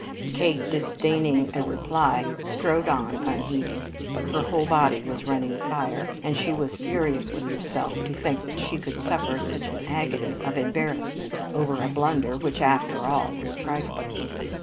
Kate, disdaining a reply, strode on unheeding. Her whole body was running fire, and she was furious with herself to think that she could suffer such an agony of embarrassment over a blunder which, after all, was trifling.